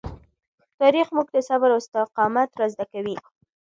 تاریخ موږ ته صبر او استقامت را زده کوي.